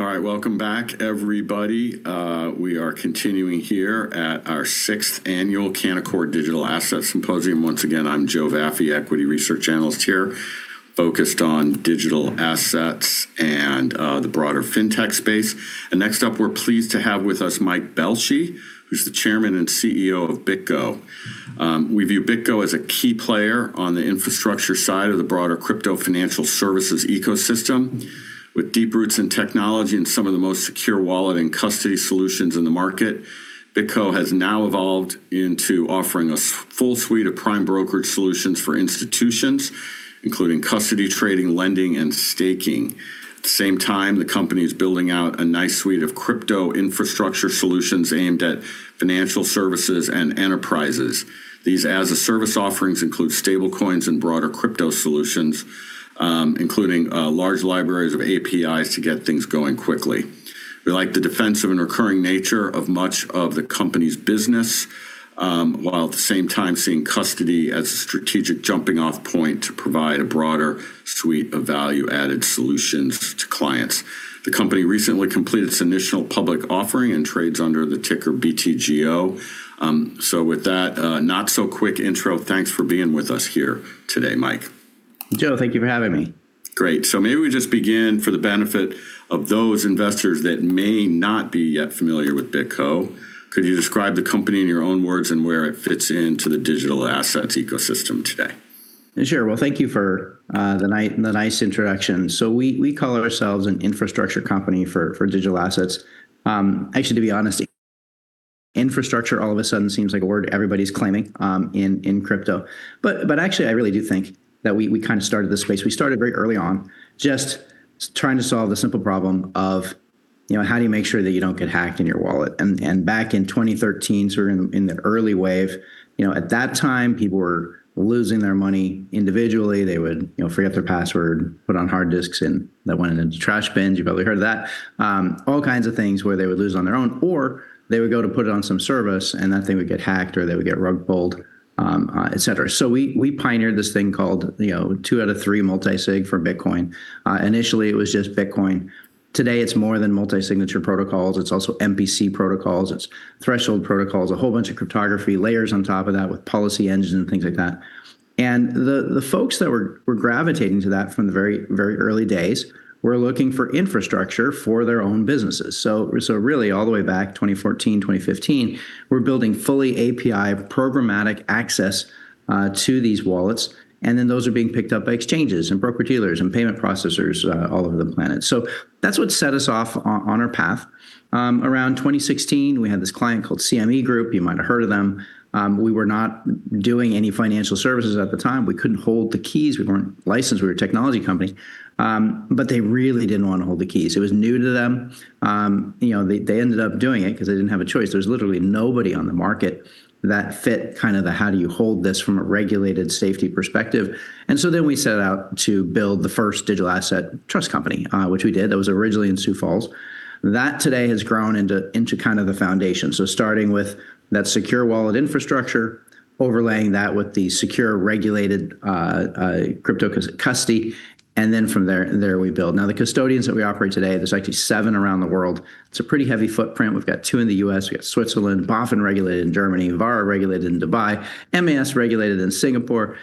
All right, welcome back, everybody. We are continuing here at our sixth annual Canaccord Digital Assets Symposium. Once again, I'm Joseph Vafi, Equity Research Analyst here, focused on digital assets and the broader fintech space. Next up, we're pleased to have with us Mike Belshe, who's the Chairman and CEO of BitGo. We view BitGo as a key player on the infrastructure side of the broader crypto financial services ecosystem. With deep roots in technology and some of the most secure wallet and custody solutions in the market, BitGo has now evolved into offering a full suite of prime brokerage solutions for institutions, including custody trading, lending, and staking. At the same time, the company is building out a nice suite of crypto infrastructure solutions aimed at financial services and enterprises. These as-a-service offerings include stablecoins and broader crypto solutions, including large libraries of APIs to get things going quickly. We like the defensive and recurring nature of much of the company's business, while at the same time seeing custody as a strategic jumping-off point to provide a broader suite of value-added solutions to clients. The company recently completed its initial public offering and trades under the ticker BTGO. With that not-so-quick intro, thanks for being with us here today, Mike. Joseph, thank you for having me. Great. Maybe we just begin for the benefit of those investors that may not be yet familiar with BitGo. Could you describe the company in your own words and where it fits into the digital assets ecosystem today? Sure. Well, thank you for the nice introduction. We call ourselves an infrastructure company for digital assets. Actually, to be honest, infrastructure all of a sudden seems like a word everybody's claiming in crypto. Actually I really do think that we kinda started this space. We started very early on just trying to solve the simple problem of, you know, how do you make sure that you don't get hacked in your wallet? Back in 2013, sort of in the early wave, you know, at that time, people were losing their money individually. They would, you know, forget their password, put on hard disks, and that went into trash bins. You probably heard that. All kinds of things where they would lose on their own, or they would go to put it on some service, and that thing would get hacked or they would get rug pulled, et cetera. We pioneered this thing called, you know, two out of three multi-sig for Bitcoin. Initially it was just Bitcoin. Today, it's more than multi-signature protocols. It's also MPC protocols. It's threshold protocols, a whole bunch of cryptography layers on top of that with policy engines and things like that. The folks that were gravitating to that from the very early days were looking for infrastructure for their own businesses. Really all the way back, 2014, 2015, we're building fully API programmatic access to these wallets, and then those are being picked up by exchanges and broker-dealers and payment processors all over the planet. That's what set us off on our path. Around 2016, we had this client called CME Group. You might have heard of them. We were not doing any financial services at the time. We couldn't hold the keys. We weren't licensed. We were a technology company. But they really didn't wanna hold the keys. It was new to them. You know, they ended up doing it 'cause they didn't have a choice. There was literally nobody on the market that fit kind of the how do you hold this from a regulated safety perspective. We set out to build the first digital asset trust company, which we did. That was originally in Sioux Falls. That today has grown into kind of the foundation. Starting with that secure wallet infrastructure, overlaying that with the secure regulated custody, and then from there we build. Now, the custodians that we operate today, there's actually seven around the world. It's a pretty heavy footprint. We've got two in the U.S. We got Switzerland, BaFin regulated in Germany, VARA regulated in Dubai, MAS regulated in Singapore.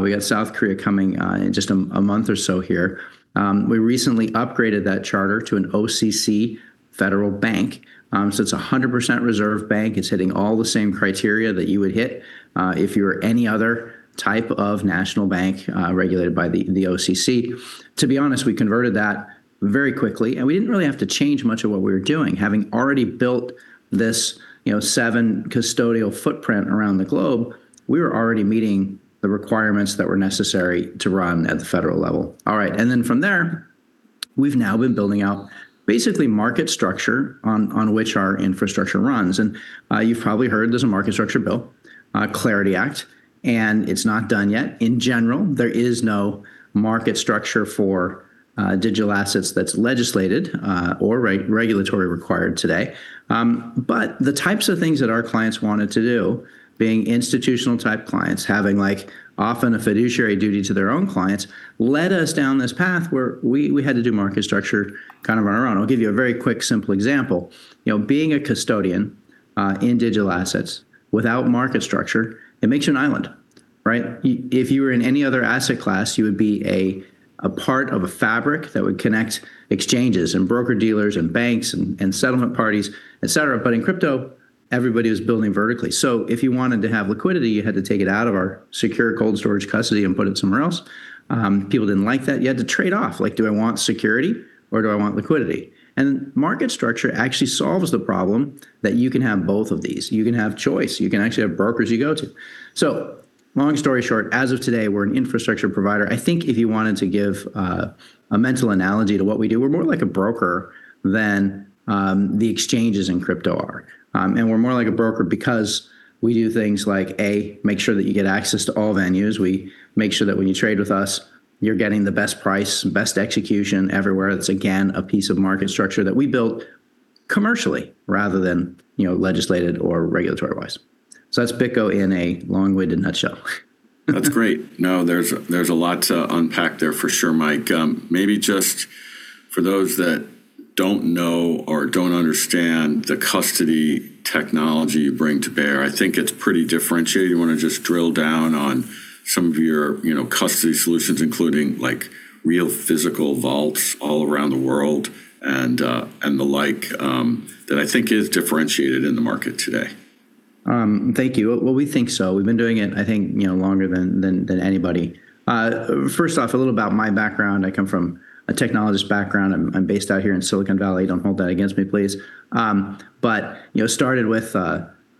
We got South Korea coming in just a month or so here. We recently upgraded that charter to an OCC federal bank. It's a 100% reserve bank. It's hitting all the same criteria that you would hit, if you were any other type of national bank, regulated by the OCC. To be honest, we converted that very quickly, and we didn't really have to change much of what we were doing. Having already built this, you know, seven custodial footprint around the globe, we were already meeting the requirements that were necessary to run at the federal level. All right. From there, we've now been building out basically market structure on which our infrastructure runs. You've probably heard there's a market structure bill, Clarity Act, and it's not done yet. In general, there is no market structure for digital assets that's legislated or regulatory required today. The types of things that our clients wanted to do, being institutional type clients, having, like, often a fiduciary duty to their own clients, led us down this path where we had to do market structure kind of on our own. I'll give you a very quick, simple example. You know, being a custodian in digital assets without market structure, it makes you an island, right? If you were in any other asset class, you would be a part of a fabric that would connect exchanges and broker-dealers and banks and settlement parties, et cetera. In crypto, everybody was building vertically. If you wanted to have liquidity, you had to take it out of our secure cold storage custody and put it somewhere else. People didn't like that. You had to trade off. Like, do I want security or do I want liquidity? Market structure actually solves the problem that you can have both of these. You can have choice. You can actually have brokers you go to. Long story short, as of today, we're an infrastructure provider. I think if you wanted to give a mental analogy to what we do, we're more like a broker than the exchanges in crypto are. We're more like a broker because we do things like, A, make sure that you get access to all venues. We make sure that when you trade with us, you're getting the best price, best execution everywhere. That's again a piece of market structure that we built commercially rather than legislated or regulatory-wise. That's BitGo in a long-winded nutshell. That's great. No, there's a lot to unpack there for sure, Mike. Maybe just for those that don't know or don't understand the custody technology you bring to bear, I think it's pretty differentiated. You wanna just drill down on some of your, you know, custody solutions, including, like, real physical vaults all around the world and the like, that I think is differentiated in the market today. Thank you. Well, we think so. We've been doing it, I think, you know, longer than anybody. First off, a little about my background. I come from a technologist background. I'm based out here in Silicon Valley. Don't hold that against me, please. You know, started with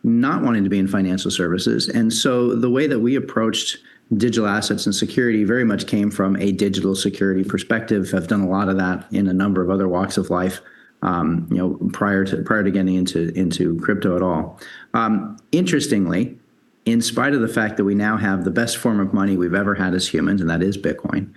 not wanting to be in financial services, and so the way that we approached digital assets and security very much came from a digital security perspective. I've done a lot of that in a number of other walks of life, you know, prior to getting into crypto at all. Interestingly, in spite of the fact that we now have the best form of money we've ever had as humans, and that is Bitcoin,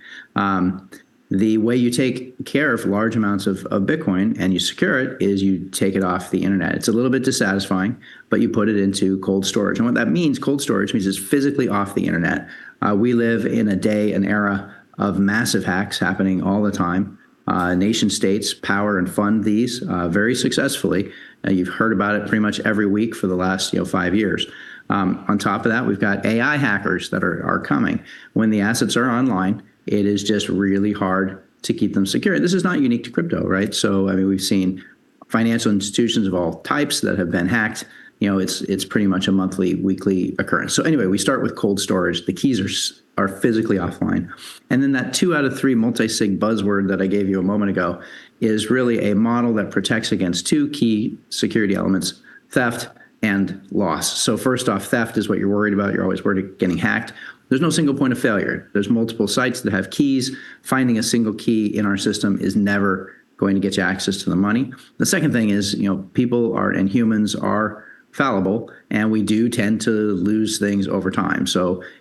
the way you take care of large amounts of Bitcoin and you secure it is you take it off the internet. It's a little bit dissatisfying, but you put it into cold storage. What that means, cold storage, means it's physically off the internet. We live in a day and age of massive hacks happening all the time. Nation-states power and fund these very successfully. You've heard about it pretty much every week for the last, you know, five years. On top of that, we've got AI hackers that are coming. When the assets are online, it is just really hard to keep them secure. This is not unique to crypto, right? I mean, we've seen financial institutions of all types that have been hacked. You know, it's pretty much a monthly, weekly occurrence. Anyway, we start with cold storage. The keys are physically offline. Then that two out of three multi-sig buzzword that I gave you a moment ago is really a model that protects against two key security elements, theft and loss. First off, theft is what you're worried about. You're always worried of getting hacked. There's no single point of failure. There's multiple sites that have keys. Finding a single key in our system is never going to get you access to the money. The second thing is, you know, people are and humans are fallible, and we do tend to lose things over time.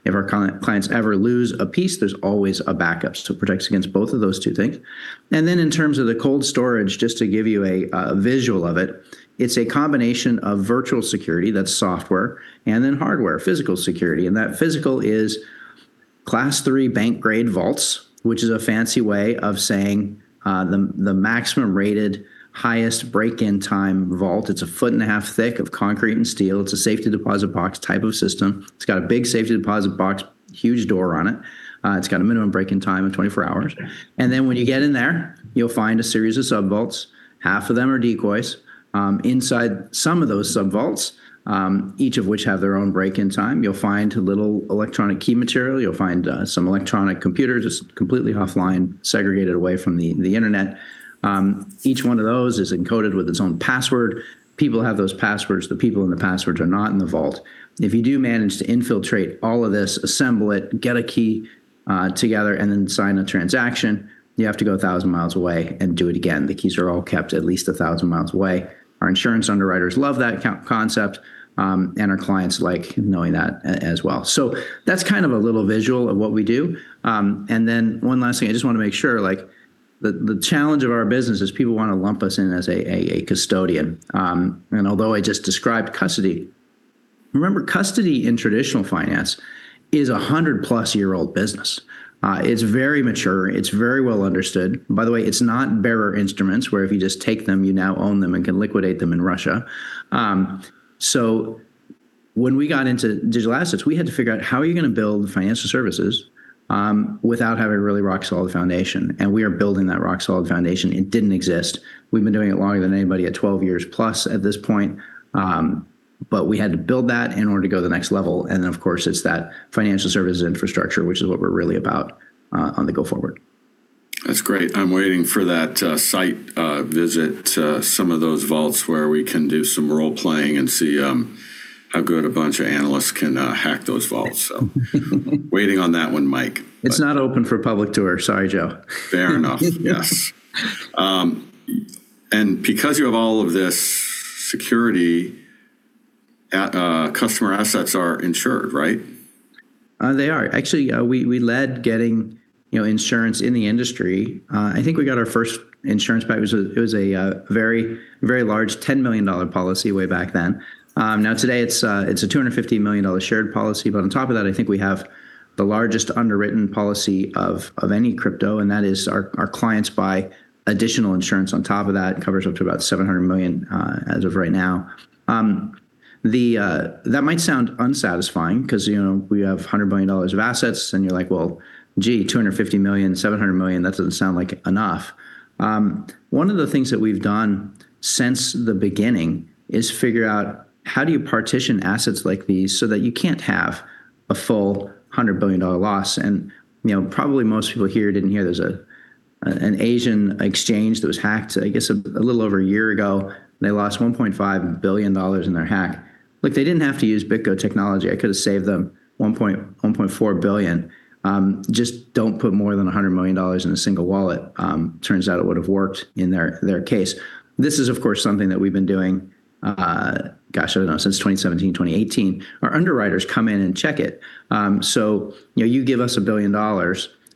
If our clients ever lose a piece, there's always a backup, so protects against both of those two things. In terms of the cold storage, just to give you a visual of it's a combination of virtual security, that's software, and then hardware, physical security. That physical is Class 3 bank-grade vaults, which is a fancy way of saying the maximum-rated highest break-in time vault. It's 1.5 feet thick of concrete and steel. It's a safe deposit box type of system. It's got a big safe deposit box, huge door on it. It's got a minimum break-in time of 24 hours. When you get in there, you'll find a series of sub-vaults. Half of them are decoys. Inside some of those sub-vaults, each of which have their own break-in time, you'll find a little electronic key material. You'll find some electronic computers. It's completely offline, segregated away from the internet. Each one of those is encoded with its own password. People have those passwords. The people and the passwords are not in the vault. If you do manage to infiltrate all of this, assemble it, get a key together, and then sign a transaction, you have to go 1,000 miles away and do it again. The keys are all kept at least 1,000 miles away. Our insurance underwriters love that concept, and our clients like knowing that as well. That's kind of a little visual of what we do. One last thing. I just wanna make sure, like, the challenge of our business is people wanna lump us in as a custodian. Although I just described custody, remember custody in traditional finance is a 100-plus-year-old business. It's very mature. It's very well understood. By the way, it's not bearer instruments, where if you just take them, you now own them and can liquidate them in Russia. When we got into digital assets, we had to figure out, how are you gonna build financial services, without having really rock-solid foundation? We are building that rock-solid foundation. It didn't exist. We've been doing it longer than anybody at 12 years plus at this point. We had to build that in order to go to the next level, and then of course it's that financial services infrastructure, which is what we're really about, on the go-forward. That's great. I'm waiting for that site visit to some of those vaults where we can do some role-playing and see how good a bunch of analysts can hack those vaults. Waiting on that one, Mike. It's not open for public tour. Sorry, Joe. Fair enough. Yes. Because you have all of this security, customer assets are insured, right? They are. Actually, we led getting, you know, insurance in the industry. I think we got our first insurance back. It was a very large $10 million policy way back then. Now today it's a $250 million shared policy, but on top of that, I think we have the largest underwritten policy of any crypto, and that is, our clients buy additional insurance on top of that. It covers up to about $700 million as of right now. That might sound unsatisfying 'cause, you know, we have $100 million of assets and you're like, "Well, gee, $250 million, $700 million, that doesn't sound like enough." One of the things that we've done since the beginning is figure out, how do you partition assets like these so that you can't have a full $100 billion loss? You know, probably most people here didn't hear there's an Asian exchange that was hacked, I guess a little over a year ago. They lost $1.5 billion in their hack. Look, they didn't have to use BitGo technology. I could have saved them $1.4 billion. Just don't put more than $100 million in a single wallet. Turns out it would have worked in their case. This is, of course, something that we've been doing, gosh, I don't know, since 2017, 2018. Our underwriters come in and check it. You know, you give us $1 billion,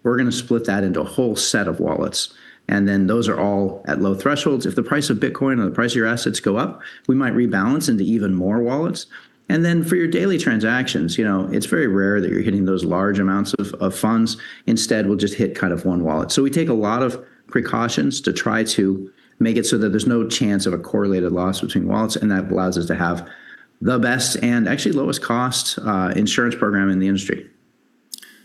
we're gonna split that into a whole set of wallets, and then those are all at low thresholds. If the price of Bitcoin or the price of your assets go up, we might rebalance into even more wallets. For your daily transactions, you know, it's very rare that you're hitting those large amounts of funds. Instead, we'll just hit kind of one wallet. We take a lot of precautions to try to make it so that there's no chance of a correlated loss between wallets, and that allows us to have the best and actually lowest cost insurance program in the industry.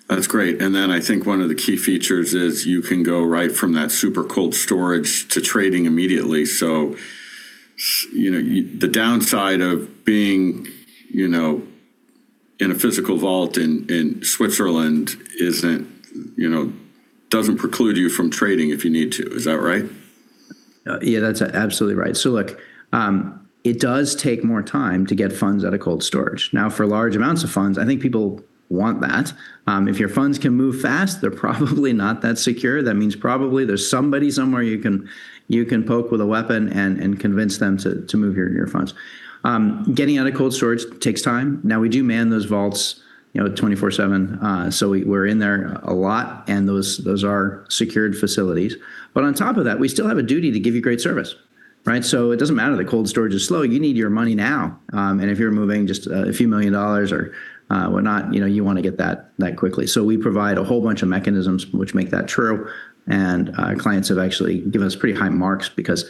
That's great. I think one of the key features is you can go right from that super cold storage to trading immediately. You know, the downside of being, you know, in a physical vault in Switzerland isn't, you know, doesn't preclude you from trading if you need to. Is that right? Yeah, that's absolutely right. Look, it does take more time to get funds out of cold storage. Now, for large amounts of funds, I think people want that. If your funds can move fast, they're probably not that secure. That means probably there's somebody somewhere you can poke with a weapon and convince them to move your funds. Getting out of cold storage takes time. Now, we do man those vaults, you know, 24/7, so we're in there a lot, and those are secured facilities. On top of that, we still have a duty to give you great service, right? It doesn't matter the cold storage is slow. You need your money now, and if you're moving just a few million dollars or whatnot, you know, you wanna get that quickly. We provide a whole bunch of mechanisms which make that true, and clients have actually given us pretty high marks because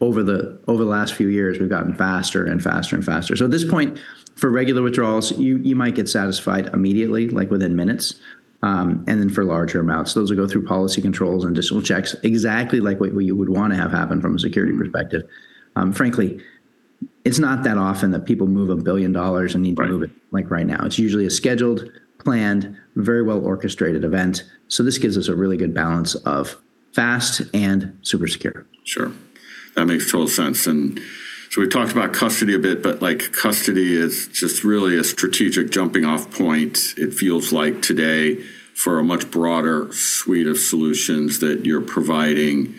over the last few years, we've gotten faster and faster and faster. At this point, for regular withdrawals, you might get satisfied immediately, like within minutes, and then for larger amounts. Those will go through policy controls and additional checks, exactly like what we would wanna have happen from a security perspective. Frankly, it's not that often that people move $1 billion and need to move it. Right Like right now. It's usually a scheduled, planned, very well-orchestrated event. This gives us a really good balance of fast and super secure. Sure. That makes total sense. We've talked about custody a bit, but like custody is just really a strategic jumping-off point, it feels like today, for a much broader suite of solutions that you're providing.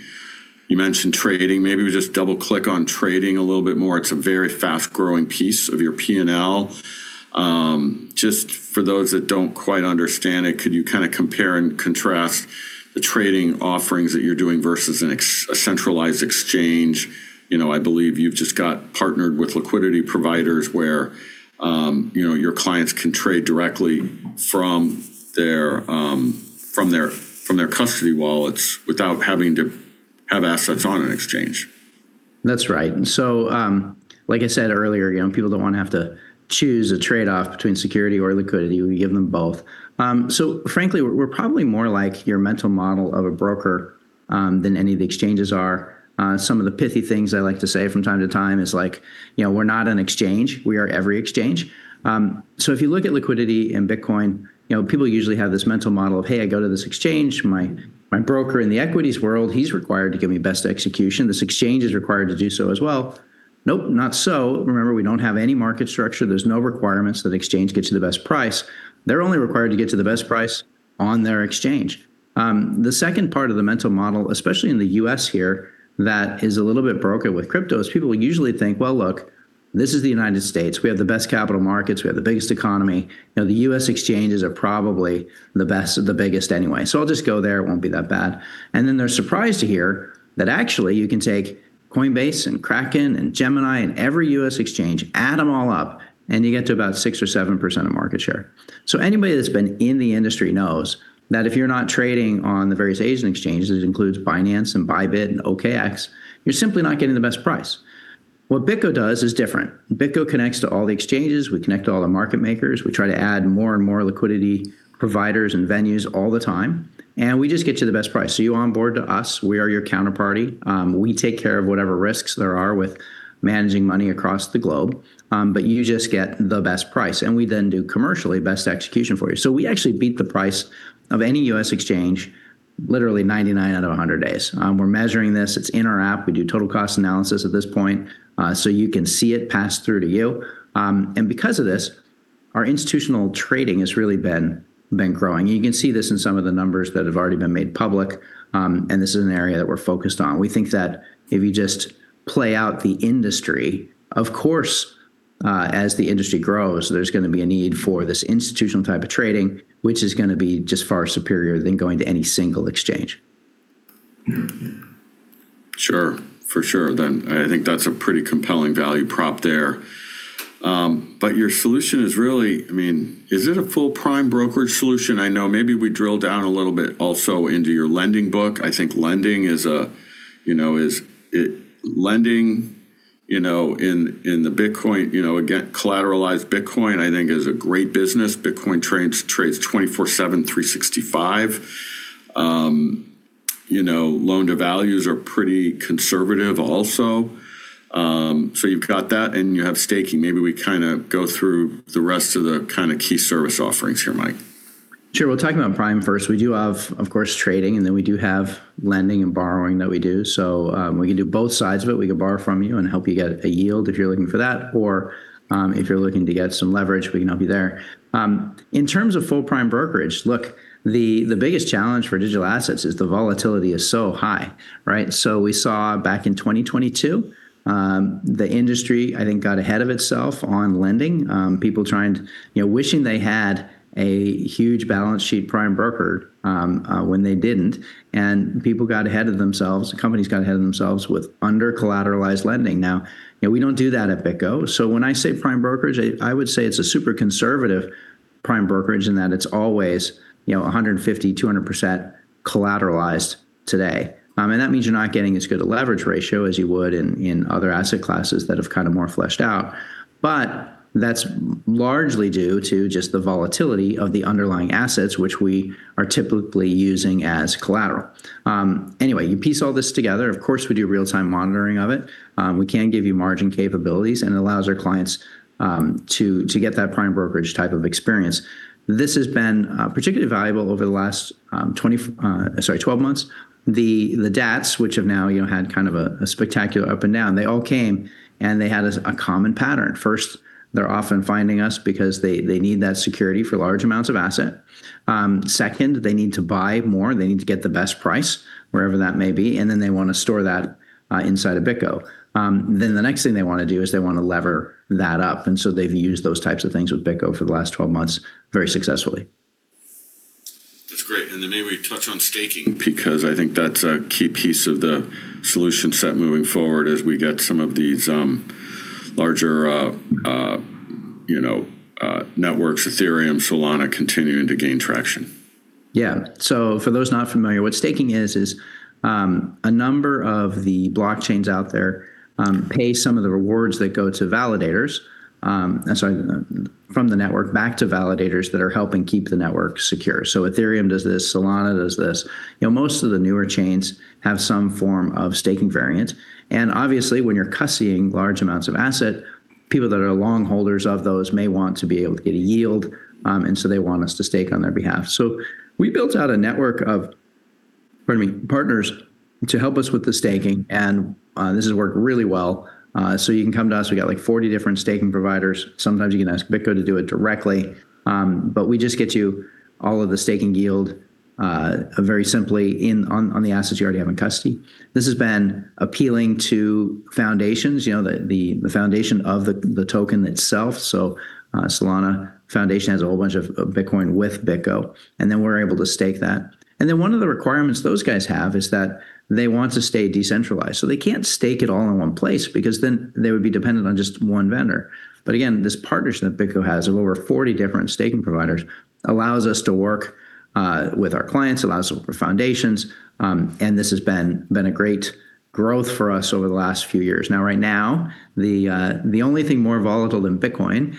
You mentioned trading. Maybe we just double-click on trading a little bit more. It's a very fast-growing piece of your P&L. Just for those that don't quite understand it, could you kinda compare and contrast the trading offerings that you're doing versus a centralized exchange? You know, I believe you've just got partnered with liquidity providers where you know your clients can trade directly from their custody wallets without having to have assets on an exchange. That's right. Like I said earlier, you know, people don't wanna have to choose a trade-off between security or liquidity. We give them both. Frankly, we're probably more like your mental model of a broker than any of the exchanges are. Some of the pithy things I like to say from time to time is like, you know, we're not an exchange. We are every exchange. If you look at liquidity in Bitcoin, you know, people usually have this mental model of, "Hey, I go to this exchange. My broker in the equities world, he's required to give me best execution. This exchange is required to do so as well." Nope, not so. Remember, we don't have any market structure. There's no requirements that exchange gets you the best price. They're only required to get you the best price on their exchange. The second part of the mental model, especially in the U.S. here, that is a little bit broken with crypto, is people usually think, "Well, look, this is the United States. We have the best capital markets. We have the biggest economy. You know, the U.S. exchanges are probably the best or the biggest anyway. So I'll just go there. It won't be that bad." They're surprised to hear that actually you can take Coinbase and Kraken and Gemini and every U.S. exchange, add them all up, and you get to about 6% or 7% of market share. Anybody that's been in the industry knows that if you're not trading on the various Asian exchanges, includes Binance and ByBit and OKX, you're simply not getting the best price. What BitGo does is different. BitGo connects to all the exchanges. We connect to all the market makers. We try to add more and more liquidity providers and venues all the time, and we just get you the best price. You onboard to us, we are your counterparty. We take care of whatever risks there are with managing money across the globe, but you just get the best price, and we then do commercially best execution for you. We actually beat the price of any U.S. exchange literally 99 out of 100 days. We're measuring this. It's in our app. We do total cost analysis at this point, so you can see it pass through to you. Because of this, our institutional trading has really been growing. You can see this in some of the numbers that have already been made public, and this is an area that we're focused on. We think that if you just play out the industry, of course, as the industry grows, there's gonna be a need for this institutional type of trading, which is gonna be just far superior than going to any single exchange. Sure. For sure. I think that's a pretty compelling value prop there. Your solution is really. I mean, is it a full prime brokerage solution? I know maybe we drill down a little bit also into your lending book. I think lending, you know, in the Bitcoin, you know, again, collateralized Bitcoin, I think is a great business. Bitcoin trades 24/7, 365. You know, loan to values are pretty conservative also. You've got that and you have staking. Maybe we kinda go through the rest of the kinda key service offerings here, Mike. Sure. We'll talk about prime first. We do have, of course, trading, and then we do have lending and borrowing that we do. We can do both sides of it. We can borrow from you and help you get a yield if you're looking for that, or, if you're looking to get some leverage, we can help you there. In terms of full prime brokerage, look, the biggest challenge for digital assets is the volatility is so high, right? We saw back in 2022, the industry, I think, got ahead of itself on lending. People trying to you know, wishing they had a huge balance sheet prime brokered, when they didn't, and people got ahead of themselves, companies got ahead of themselves with under-collateralized lending. Now, you know, we don't do that at BitGo. When I say prime brokerage, I would say it's a super conservative prime brokerage in that it's always, you know, 150-200% collateralized today. And that means you're not getting as good a leverage ratio as you would in other asset classes that have kind of more fleshed out. But that's largely due to just the volatility of the underlying assets which we are typically using as collateral. Anyway, you piece all this together, of course, we do real-time monitoring of it. We can give you margin capabilities, and it allows our clients to get that prime brokerage type of experience. This has been particularly valuable over the last 12 months. The DATs, which have now, you know, had kind of a spectacular ups and downs, they all came, and they had a common pattern. First, they're often finding us because they need that security for large amounts of assets. Second, they need to buy more. They need to get the best price, wherever that may be, and then they wanna store that inside of BitGo. Then the next thing they wanna do is they wanna leverage that up, and so they've used those types of things with BitGo for the last 12 months very successfully. That's great. Then maybe touch on staking, because I think that's a key piece of the solution set moving forward as we get some of these larger, you know, networks, Ethereum, Solana, continuing to gain traction. Yeah. For those not familiar, what staking is a number of the blockchains out there pay some of the rewards that go to validators from the network back to validators that are helping keep the network secure. Ethereum does this, Solana does this. You know, most of the newer chains have some form of staking variant. Obviously, when you're custodying large amounts of asset, people that are long holders of those may want to be able to get a yield, and so they want us to stake on their behalf. We built out a network of partners to help us with the staking, and this has worked really well. You can come to us. We got, like, 40 different staking providers. Sometimes you can ask BitGo to do it directly, but we just get you all of the staking yield, very simply on the assets you already have in custody. This has been appealing to foundations, you know, the foundation of the token itself. Solana Foundation has a whole bunch of Bitcoin with BitGo, and then we're able to stake that. One of the requirements those guys have is that they want to stay decentralized. They can't stake it all in one place because then they would be dependent on just one vendor. This partnership that BitGo has of over 40 different staking providers allows us to work with our clients, allows us to work with foundations, and this has been a great growth for us over the last few years. Now, right now, the only thing more volatile than Bitcoin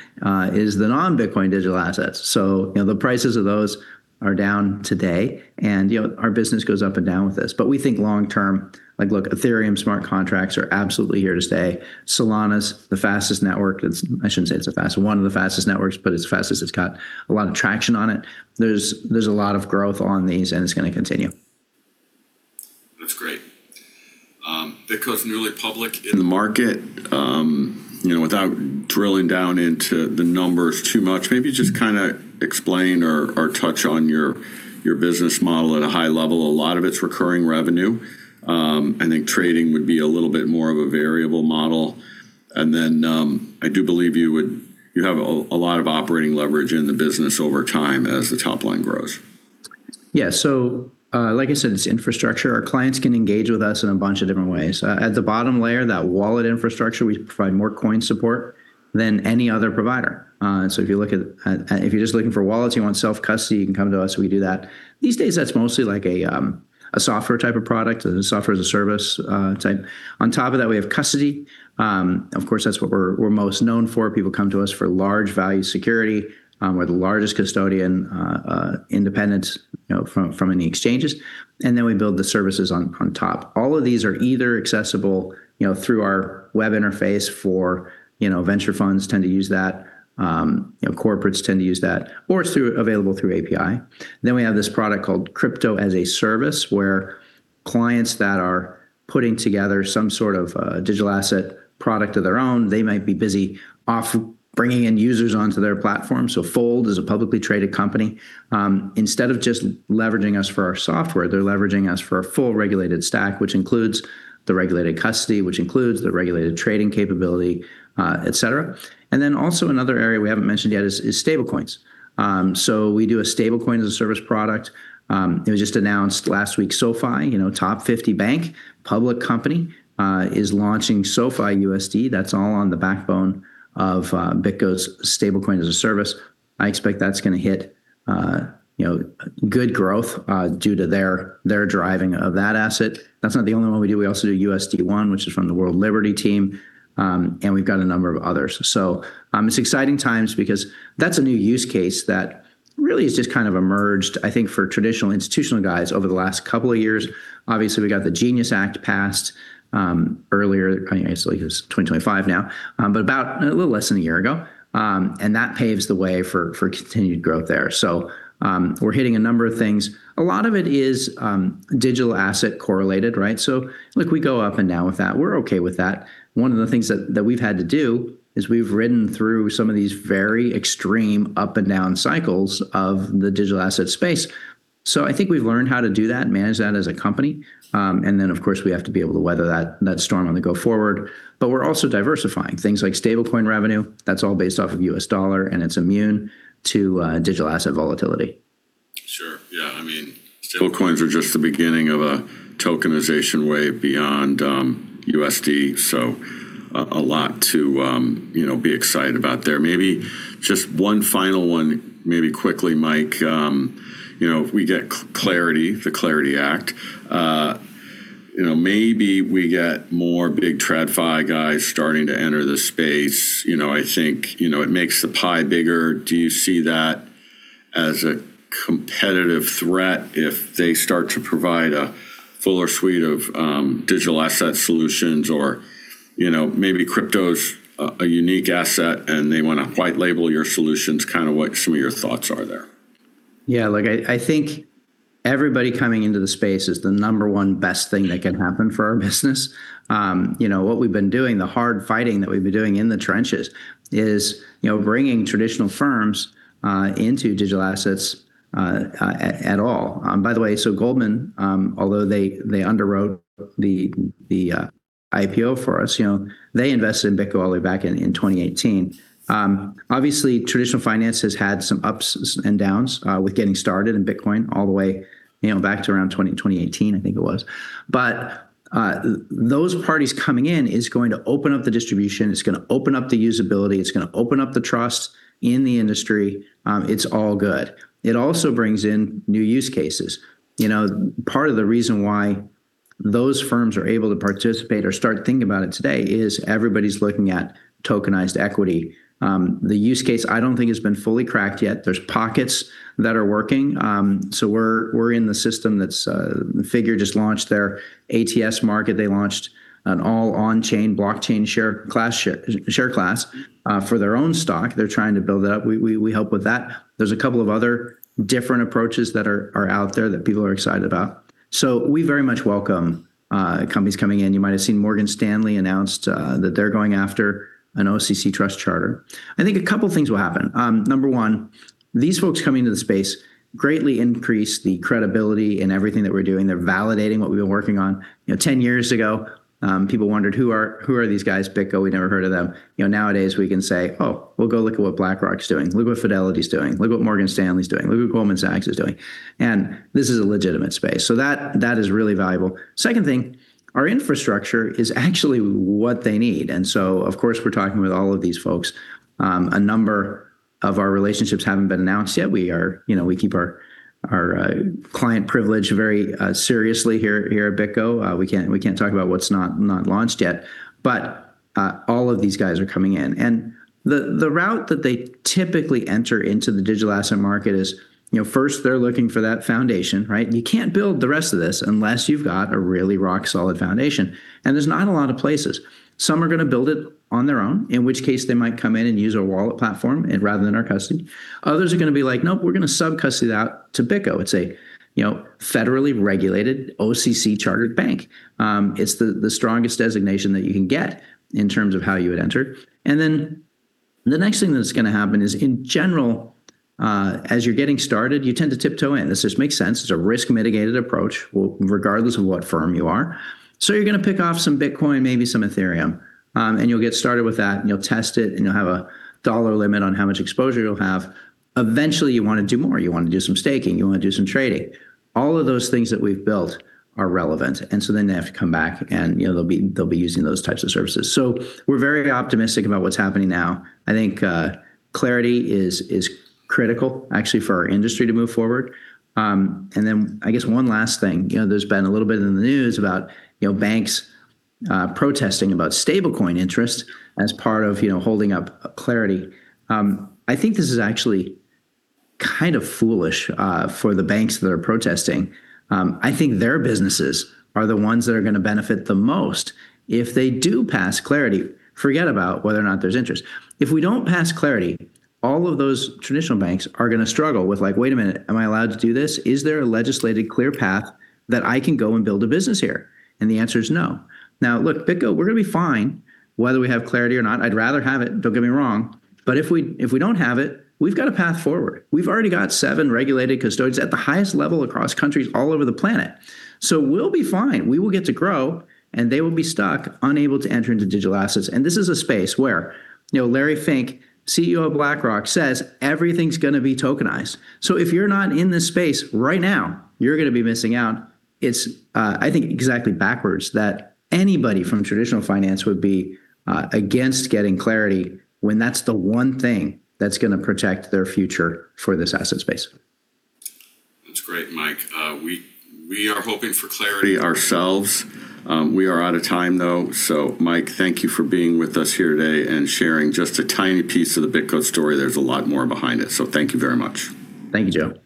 is the non-Bitcoin digital assets. You know, the prices of those are down today, and you know, our business goes up and down with this. We think long term, like, look, Ethereum smart contracts are absolutely here to stay. Solana's the fastest network. I shouldn't say it's the fastest. One of the fastest networks, but it's fast as it's got a lot of traction on it. There's a lot of growth on these, and it's gonna continue. That's great. BitGo is newly public in the market. You know, without drilling down into the numbers too much, maybe just kinda explain or touch on your business model at a high level. A lot of it's recurring revenue. I think trading would be a little bit more of a variable model. I do believe you have a lot of operating leverage in the business over time as the top line grows. Yeah. Like I said, it's infrastructure. Our clients can engage with us in a bunch of different ways. At the bottom layer, that wallet infrastructure, we provide more coin support than any other provider. If you're just looking for wallets, you want self-custody, you can come to us. We do that. These days, that's mostly like a software type of product, a software as a service, type. On top of that, we have custody. Of course, that's what we're most known for. People come to us for large value security. We're the largest custodian, independent, you know, from any exchanges. We build the services on top. All of these are either accessible, you know, through our web interface for You know, venture funds tend to use that. You know, corporates tend to use that. Or it's available through API. Then we have this product called Crypto-as-a-Service, where clients that are putting together some sort of digital asset product of their own, they might be busy with bringing in users onto their platform. So Fold is a publicly traded company. Instead of just leveraging us for our software, they're leveraging us for a full regulated stack, which includes the regulated custody, which includes the regulated trading capability, et cetera. Another area we haven't mentioned yet is stablecoins. So we do a stablecoin-as-a-service product. It was just announced last week, SoFi, you know, top 50 bank, public company, is launching SoFiUSD. That's all on the backbone of BitGo's stablecoin-as-a-service. I expect that's gonna hit, you know, good growth, due to their driving of that asset. That's not the only one we do. We also do USD 1, which is from the World Liberty team, and we've got a number of others. It's exciting times because that's a new use case that really has just kind of emerged, I think, for traditional institutional guys over the last couple of years. Obviously, we got the GENIUS Act passed, earlier, kind of I guess it's 2025 now, but about a little less than a year ago. And that paves the way for continued growth there. We're hitting a number of things. A lot of it is, digital asset correlated, right? Look, we go up and down with that. We're okay with that. One of the things that we've had to do is we've ridden through some of these very extreme up and down cycles of the digital asset space. I think we've learned how to do that, manage that as a company, and then of course, we have to be able to weather that storm on the go forward. We're also diversifying things like stablecoin revenue. That's all based off of U.S. dollar, and it's immune to digital asset volatility. Sure. Yeah. I mean, stablecoins are just the beginning of a tokenization way beyond USD, so a lot to you know, be excited about there. Maybe just one final one, maybe quickly, Mike. You know, if we get the Digital Asset Market Clarity Act, you know, maybe we get more big TradFi guys starting to enter the space. You know, I think, you know, it makes the pie bigger. Do you see that as a competitive threat if they start to provide a fuller suite of digital asset solutions or, you know, maybe crypto's a unique asset and they wanna white label your solutions? Kinda what some of your thoughts are there. Yeah. Look, I think everybody coming into the space is the number one best thing that can happen for our business. You know, what we've been doing, the hard fighting that we've been doing in the trenches is, you know, bringing traditional firms into digital assets at all. By the way, so Goldman Sachs, although they underwrote the IPO for us, you know, they invested in BitGo all the way back in 2018. Obviously traditional finance has had some ups and downs with getting started in Bitcoin all the way back to around 2018, I think it was. Those parties coming in is going to open up the distribution, it's gonna open up the usability, it's gonna open up the trust in the industry. It's all good. It also brings in new use cases. You know, part of the reason why those firms are able to participate or start thinking about it today is everybody's looking at tokenized equity. The use case, I don't think has been fully cracked yet. There's pockets that are working. We're in the system that's Figure just launched their ATS market. They launched an all on chain blockchain share class for their own stock. They're trying to build that up. We help with that. There's a couple of other different approaches that are out there that people are excited about. We very much welcome companies coming in. You might've seen Morgan Stanley announced that they're going after an OCC trust charter. I think a couple things will happen. Number one, these folks coming into the space greatly increase the credibility in everything that we're doing. They're validating what we've been working on. You know, 10 years ago, people wondered who are these guys, BitGo? We never heard of them. You know, nowadays we can say, "Oh, we'll go look at what BlackRock's doing. Look what Fidelity's doing. Look what Morgan Stanley's doing. Look what Goldman Sachs is doing." This is a legitimate space, so that is really valuable. Second thing, our infrastructure is actually what they need, and so of course, we're talking with all of these folks. A number of our relationships haven't been announced yet. You know, we keep our client privilege very seriously here at BitGo. We can't talk about what's not launched yet. All of these guys are coming in, and the route that they typically enter into the digital asset market is, you know, first they're looking for that foundation, right? You can't build the rest of this unless you've got a really rock solid foundation, and there's not a lot of places. Some are gonna build it on their own, in which case they might come in and use our wallet platform or rather than our custody. Others are gonna be like, "Nope, we're gonna sub-custody that to BitGo." It's a, you know, federally regulated OCC chartered bank. It's the strongest designation that you can get in terms of how you had entered. Then the next thing that's gonna happen is, in general, as you're getting started, you tend to tiptoe in. This just makes sense. It's a risk mitigated approach regardless of what firm you are. You're gonna pick off some Bitcoin, maybe some Ethereum, and you'll get started with that, and you'll test it, and you'll have a dollar limit on how much exposure you'll have. Eventually, you wanna do more. You wanna do some staking, you wanna do some trading. All of those things that we've built are relevant. They have to come back and, you know, they'll be using those types of services. We're very optimistic about what's happening now. I think, Clarity is critical actually for our industry to move forward. I guess one last thing. You know, there's been a little bit in the news about, you know, banks, protesting about stablecoin interest as part of, you know, holding up Clarity. I think this is actually kind of foolish for the banks that are protesting. I think their businesses are the ones that are gonna benefit the most if they do pass Clarity. Forget about whether or not there's interest. If we don't pass Clarity, all of those traditional banks are gonna struggle with like, "Wait a minute, am I allowed to do this? Is there a legislated clear path that I can go and build a business here?" The answer is no. Now, look, BitGo, we're gonna be fine whether we have Clarity or not. I'd rather have it, don't get me wrong. But if we don't have it, we've got a path forward. We've already got seven regulated custodians at the highest level across countries all over the planet. We'll be fine. We will get to grow, and they will be stuck, unable to enter into digital assets. This is a space where, you know, Larry Fink, CEO of BlackRock, says everything's gonna be tokenized. If you're not in this space right now, you're gonna be missing out. It's, I think, exactly backwards that anybody from traditional finance would be against getting Clarity when that's the one thing that's gonna protect their future for this asset space. That's great, Mike. We are hoping for Clarity ourselves. We are out of time though. Mike, thank you for being with us here today and sharing just a tiny piece of the BitGo story. There's a lot more behind it, so thank you very much. Thank you, Joe.